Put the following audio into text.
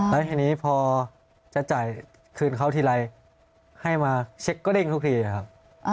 แล้วทีนี้พอจะจ่ายคืนเขาทีไรให้มาเช็คก็เร่งทุกทีครับ